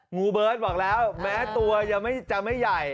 ูเบิร์ตบอกแล้วแม้ตัวจะไม่ใหญ่